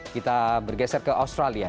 kita bergeser ke australia